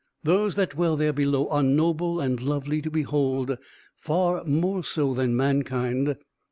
Those that dwell there below, are noble and lovely to behold, far more so than mankind.